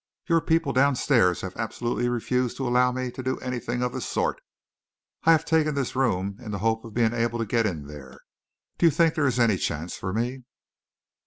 Your people downstairs have absolutely refused to allow me to do anything of the sort. I have taken this room in the hope of being able to get in there. Do you think there is any chance for me?"